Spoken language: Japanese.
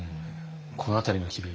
この辺りの機微。